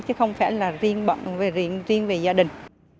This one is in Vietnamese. chứ không phải là riêng bọn riêng gia đình